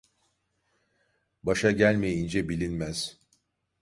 Başa gelmeyince bilinmez.